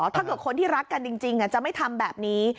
ถ้าเกิดคนที่รักกันจริงจะไม่ทำแบบนี้